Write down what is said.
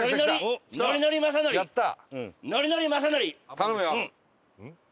頼むよ。